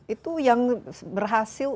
itu yang berhasil